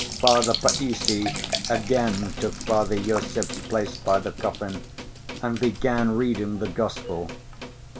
Father Païssy again took Father Iosif's place by the coffin and began reading the Gospel.